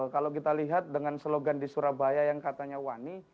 kalau kita lihat dengan slogan di surabaya yang katanya wani